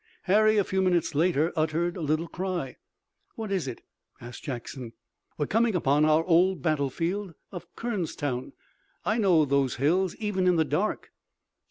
Harry a few minutes later uttered a little cry. "What is it?" asked Jackson. "We're coming upon our old battlefield of Kernstown. I know those hills even in the dark."